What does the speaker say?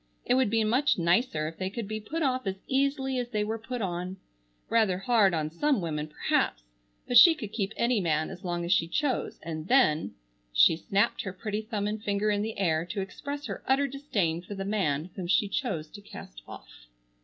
It would be much nicer if they could be put off as easily as they were put on. Rather hard on some women perhaps, but she could keep any man as long as she chose, and then—she snapped her pretty thumb and finger in the air to express her utter disdain for the man whom she chose to cast off.